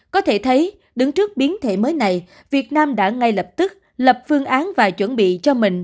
có thể thấy đứng trước biến thể mới này việt nam đã ngay lập tức lập phương án và chuẩn bị cho mình